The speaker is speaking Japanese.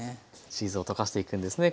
チーズを溶かしていくんですね。